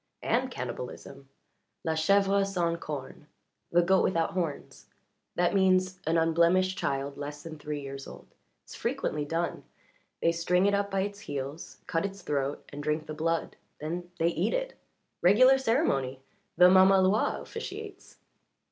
"And cannibalism. La chèvre sans cornes the goat without horns that means an unblemished child less than three years old. It's frequently done. They string it up by its heels, cut its throat, and drink the blood. Then they eat it. Regular ceremony the mamaloi officiates."